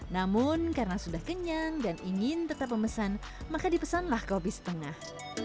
namun karena sudah kenyang dan ingin tetap memesan maka dipesanlah kopi setengah